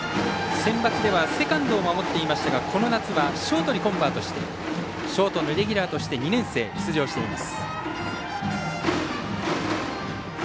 センバツではセカンドを守っていましたがこの夏はショートにコンバートしてショートのレギュラーとして２年生で出場しています。